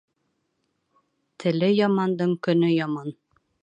Теле ямандың көнө яман.